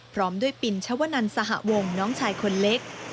พร้อมด้วยปินชวนันสหวงน้องชายคนเล็ก